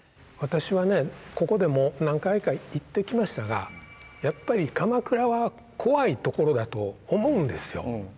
私はここでも何回か言ってきましたがやっぱり鎌倉は怖いところだと思うんですよ。